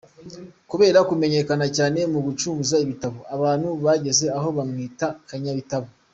Kubera kumenyekana cyane mu gucuruza ibitabo, abantu bageze aho bamwita’ Kanyabitabo’.